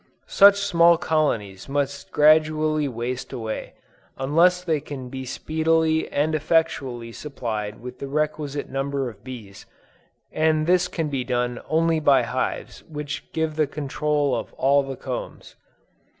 Such small colonies must gradually waste away, unless they can be speedily and effectually supplied with the requisite number of bees, and this can be done only by hives which give the control of all the combs.